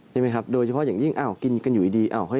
ใช่ไหมครับโดยเฉพาะอย่างยิ่งอ้าวกินกันอยู่ดี